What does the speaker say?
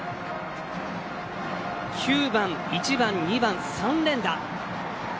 ９番、１番、２番、３連打。